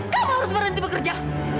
kamu harus berhenti bekerja